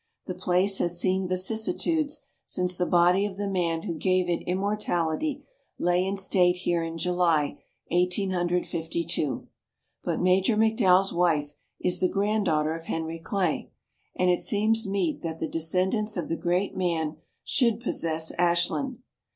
The place has seen vicissitudes since the body of the man who gave it immortality lay in state here in July, Eighteen Hundred Fifty two. But Major McDowell's wife is the granddaughter of Henry Clay, and it seems meet that the descendants of the great man should possess Ashland.